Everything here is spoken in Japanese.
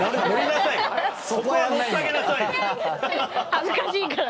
恥ずかしいから。